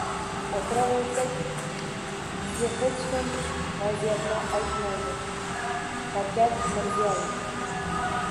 “O‘tiraversak, vaziyatni bizga hech kim aytmaydi”-Shavkat Mirziyoyev